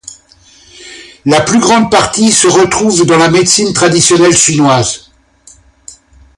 La plus grande partie se retrouve dans la médecine traditionnelle chinoise.